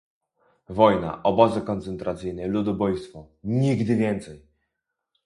Wojna, obozy koncentracyjne, ludobójstwo - nigdy więcej!